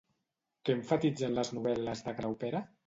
Què emfatitzen les novel·les de Graupera?